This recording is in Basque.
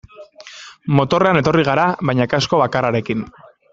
Motorrean etorri gara baina kasko bakarrarekin.